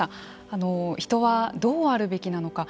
あの人はどうあるべきなのか。